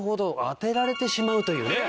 当てられてしまうというね。